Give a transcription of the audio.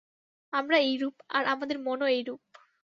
আমরা এইরূপ, আর আমাদের মনও এইরূপ।